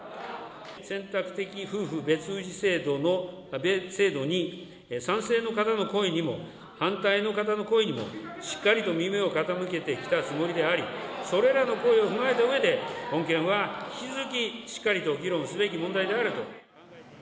選択的夫婦別氏制度に、賛成の方の声にも、反対の方の声にも、しっかりと耳を傾けてきたつもりであり、それらの声を踏まえたうえで、本件は引き続きしっかりと議論すべき問題であると。